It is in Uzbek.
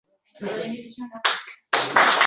Agar bola “ortda qolganlardan” bo‘lsa